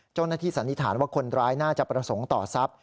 เจ้าหน้าที่สันนิษฐานว่าคนร้ายน่าจะประทงต่อทรัพย์